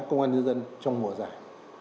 công an nhân dân trong mùa giải